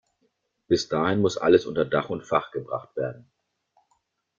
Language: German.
Bis dahin muss alles unter Dach und Fach gebracht werden.